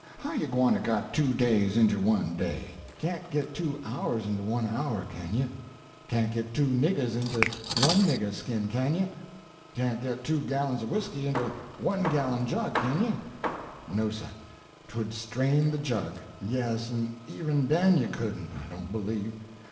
How you gwine to get two days inter one day? Can't git two hours inter one hour, kin you? Can't git two niggers inter one nigger skin, kin you? Can't git two gallons of whisky inter a one gallon jug, kin you? No, sir, 'twould strain de jug. Yes, en even den you couldn't, I don't believe.